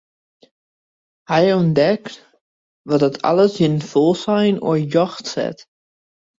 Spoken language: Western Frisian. Hja ûntdekt wat dat alles yn in folslein oar ljocht set.